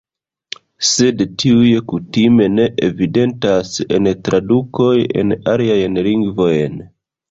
Sed tiuj kutime ne evidentas en tradukoj en aliajn lingvojn.